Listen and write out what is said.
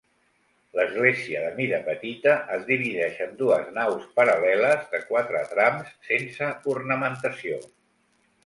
L'església de mida petita es divideix en dues naus paral·leles de quatre trams sense ornamentació.